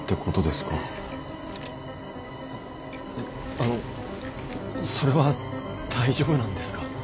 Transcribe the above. あのそれは大丈夫なんですか？